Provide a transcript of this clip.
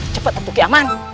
cepat atu kiaman